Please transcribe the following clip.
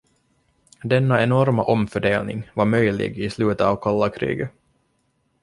Denna enorma omfördelning var möjlig i slutet av kalla kriget.